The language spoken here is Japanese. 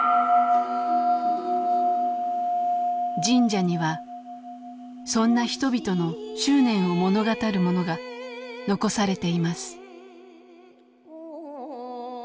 神社にはそんな人々の執念を物語るものが残されています。